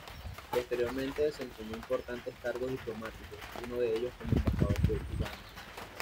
Posteriormente desempeñó importantes cargos diplomáticos, uno de ellos como embajador en Uganda.